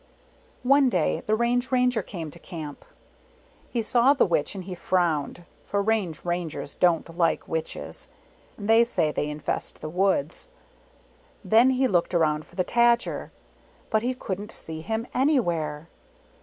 One day the Range Ranger came to Camp. He saw the Witch and he frowned, for Range Rangers don't like Witches. They say they infest the woods. Then he looked around for the Tajer, but he couldn't see him anywhere.